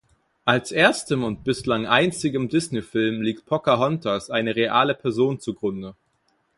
Als erstem und bislang einzigem Disney-Film liegt "Pocahontas" eine reale Person zugrunde.